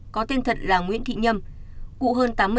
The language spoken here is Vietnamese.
có tên thật là nguyễn thị nhâm